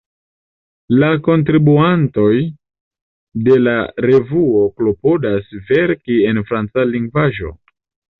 La kontribuantoj de la revuo klopodas verki en facila lingvaĵo.